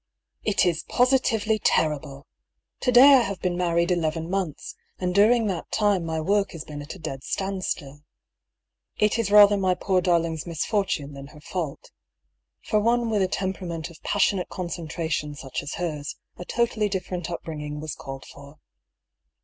It is positively terrible ! to day I have been married eleven months, and during that time my work has been at a dead standstill. It is rather my poor darling's misfortune than her fault. For one with a temperament of passionate con centration such as hers, a totally different up bringing was called for.